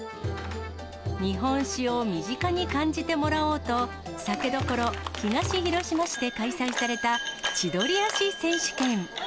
日本酒を身近に感じてもらおうと、酒どころ、東広島市で開催された千鳥足選手権。